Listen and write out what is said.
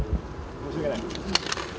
申し訳ない。